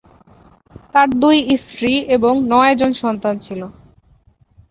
তার দুই স্ত্রী এবং নয়জন সন্তান ছিল।